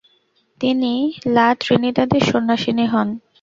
তিনি লা ত্রিনিদাদের সন্নাসিনী হন।